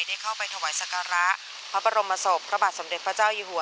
ได้เข้าไปถวายสการะพระบรมศพพระบาทสมเด็จพระเจ้าอยู่หัว